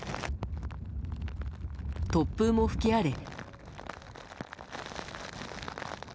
突風も吹き荒れ。